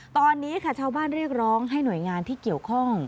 ตอนนี้ค่ะชาวบ้านเรียกร้องให้หน่วยงานที่เกี่ยวข้อง